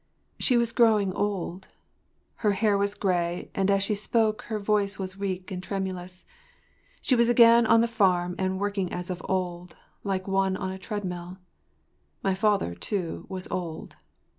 She was growing old. Her hair was gray, and as she spoke, her voice was weak and tremulous. She was again on the farm and working as of old—like one on a treadmill. My father, too, was old.